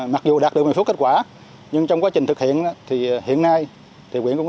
mặc dù đạt được mười phút kết quả nhưng trong quá trình thực hiện thì hiện nay thì quyền cũng